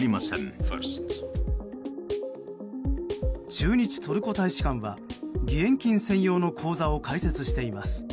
駐日トルコ大使館は義援金専用の口座を開設しています。